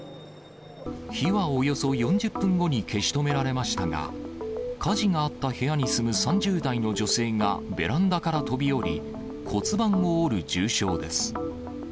火はおよそ４０分後に消し止められましたが、火事があった部屋に住む３０代の女性がベランダから飛び降り、骨盤を折る重傷です。